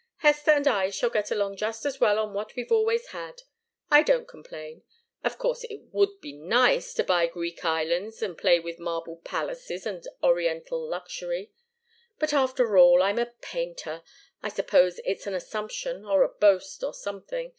Hester and I shall get along just as well on what we've always had. I don't complain. Of course it would be nice to buy Greek islands, and play with marble palaces and Oriental luxury. But after all, I'm a painter. I suppose it's an assumption, or a boast, or something.